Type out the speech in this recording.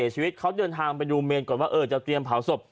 ชีวิตเขาเดินทางไปดูเมนก่อนว่าจะเตรียมเผาศพ